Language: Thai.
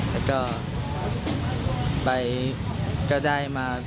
แล้วก็ไปก็ได้มา